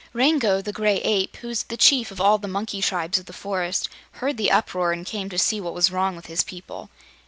Rango the Gray Ape, who was the Chief of all the monkey tribes of the forest, heard the uproar and came to see what was wrong with his people.